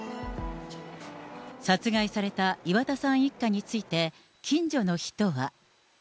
殺害された岩田さん一家について、近所の人は。